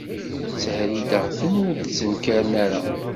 Ttherrideɣ-ten, ur d-ttnekkaren ara.